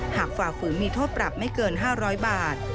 ฝ่าฝืนมีโทษปรับไม่เกิน๕๐๐บาท